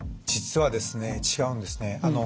実はですね違うんですね。